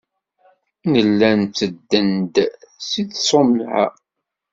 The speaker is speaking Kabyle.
Nella nttedden-d seg tṣumɛa.